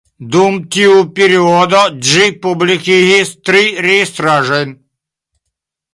Dum tiu periodo, ĝi publikigis tri registraĵojn.